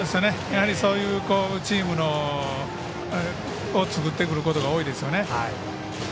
そういうチームを作ってくることが多いですよね。